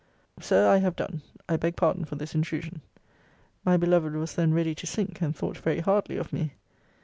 Sir, Sir, I have done. I beg pardon for this intrusion. My beloved was then ready to sink, and thought very hardly of me.